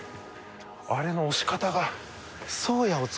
あれの押し方が。